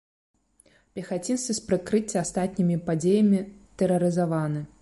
Пехацінцы з прыкрыцця астатнімі падзеямі тэрарызаваны.